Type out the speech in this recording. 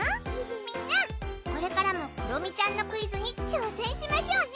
みんなこれからもクロミちゃんのクイズに挑戦しましょうね。